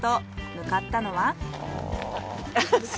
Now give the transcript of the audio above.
向かったのは。